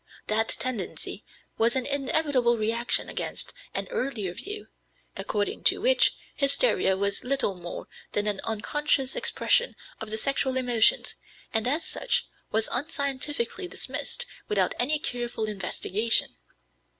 That tendency was an inevitable reaction against an earlier view, according to which hysteria was little more than an unconscious expression of the sexual emotions and as such was unscientifically dismissed without any careful investigation.